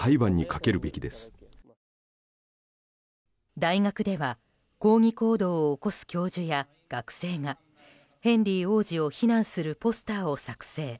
大学では抗議行動を起こす教授や学生がヘンリー王子を非難するポスターを作成。